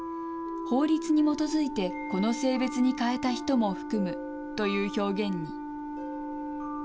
法律に基づいてこの性別に変えた人も含むという表現に。